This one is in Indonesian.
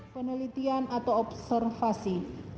penelitian atau observasi